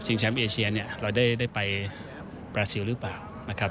แชมป์เอเชียเนี่ยเราได้ไปบราซิลหรือเปล่านะครับ